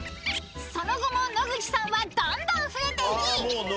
［その後も野口さんはどんどん増えていき］